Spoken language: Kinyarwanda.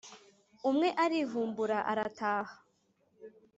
umwe arivumbura arataha